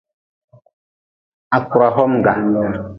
Ha kura homga.